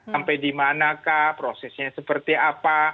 sampai di manakah prosesnya seperti apa